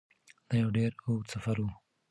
دا یو ډیر اوږد سفر و.